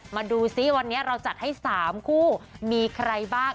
มาดูซิวันนี้เราจัดให้๓คู่มีใครบ้าง